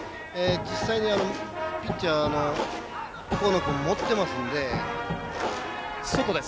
実際にピッチャー・河野君もってますんで。